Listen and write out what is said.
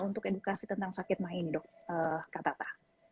untuk edukasi tentang sakit ma ini kak tata